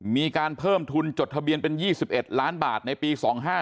มีการเพิ่มทุนจดทะเบียนเป็น๒๑ล้านบาทในปี๒๕๕